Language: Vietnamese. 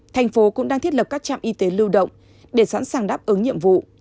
thành phố cũng đang thiết lập các trạm y tế lưu động để sẵn sàng đáp ứng nhiệm vụ